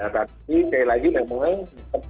tapi seperti yang saya katakan